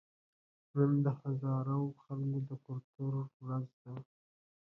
نن د هزاره خلکو د کلتور ورځ ده